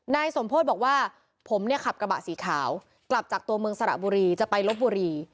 นายสมโพธิบอกว่าผมเนี่ยขับกระบะสีขาวกลับจากตัวเมืองสระบุรีจะไปลบบุรี